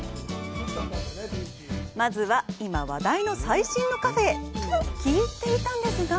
まずは、今、話題の最新のカフェへと聞いていたんですが。